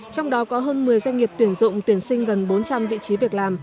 trong đó có hơn một mươi doanh nghiệp tuyển dụng tuyển sinh gần bốn trăm linh vị trí việc làm